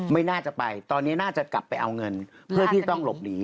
ไม่น่าจะไปตอนนี้น่าจะกลับไปเอาเงินเพื่อที่ต้องหลบหนี